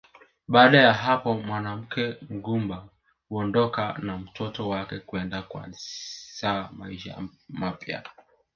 Baada ya hapo mwanamke mgumba huondoka na mtoto wake kwenda kuanza maisha mapya